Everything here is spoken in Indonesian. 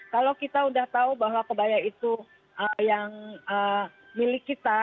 kalau kita sudah tahu bahwa kebaya itu yang milik kita